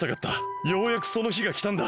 ようやくそのひがきたんだ。